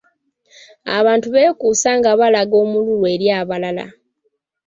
Abantu bekusa nga balaga omululu eri abalala.